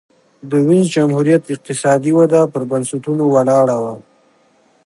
د وینز جمهوریت اقتصادي وده پر بنسټونو ولاړه وه.